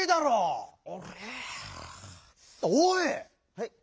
はい？